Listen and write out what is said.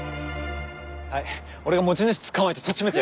はい俺が持ち主捕まえてとっちめて。